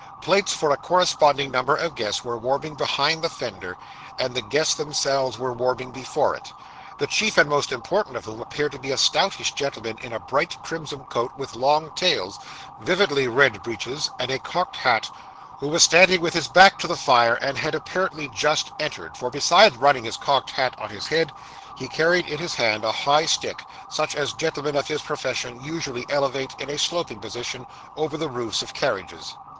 Plates for a corresponding number of guests were warming behind the fender; and the guests themselves were warming before it: the chief and most important of whom appeared to be a stoutish gentleman in a bright crimson coat with long tails, vividly red breeches, and a cocked hat, who was standing with his back to the fire, and had apparently just entered, for besides retaining his cocked hat on his head, he carried in his hand a high stick, such as gentlemen of his profession usually elevate in a sloping position over the roofs of carriages.